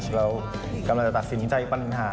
แล้วกำลังจะตัดสินใจปัญหา